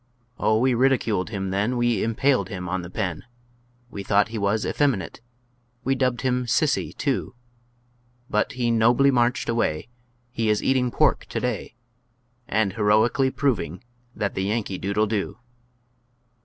Oh, we ridiculed him then, We impaled him on the pen, We thought he was effeminate, we dubbed him "Sissy," too; But he nobly marched away, He is eating pork to day, And heroically proving that the Yankee dude'll do.